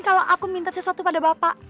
kalau aku minta sesuatu pada bapak